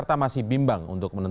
tidak menutup kemungkinan